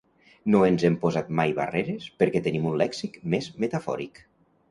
No ens hem posat mai barreres, perquè tenim un lèxic més metafòric.